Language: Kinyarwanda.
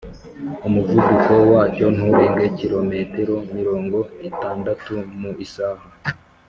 umuvuduko wacyo nturenge Km mirongo itandatu mu isaha.